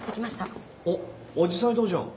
おっ紫陽花堂じゃん。